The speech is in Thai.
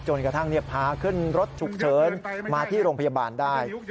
กระทั่งพาขึ้นรถฉุกเฉินมาที่โรงพยาบาลได้